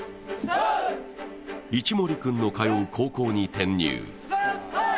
一森君の通う高校に転入。